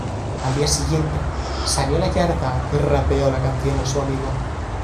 Al día siguiente, salió a la yarda y rapeo la canción a su amigo.